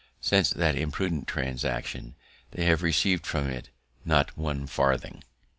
Since that imprudent transaction, they have receiv'd from it not one farthing!